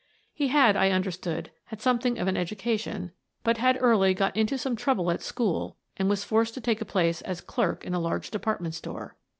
He had, I understood, had something of an education, but had early got into some trouble at school and was forced to take a place as clerk in a large depart ment store.